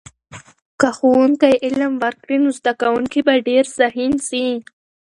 که ښوونکی علم ورکړي، نو زده کونکي به ډېر ذهین سي.